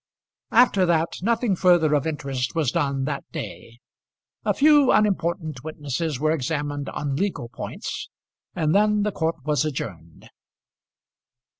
After that nothing further of interest was done that day. A few unimportant witnesses were examined on legal points, and then the court was adjourned.